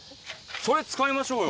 それ使いましょうよ。